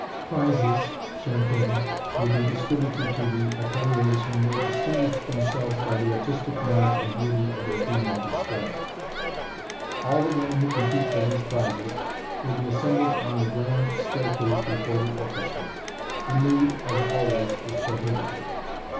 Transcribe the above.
Prizes (champagne) will be distributed to the ateliers who may distinguish themselves by the artistic merit and beauty of their female display. [Illustration: (photograph of woman)] All the women who compete for these prizes will be assembled on the grand staircase before the orchestra. The nude, as always, is PROHIBITED!?!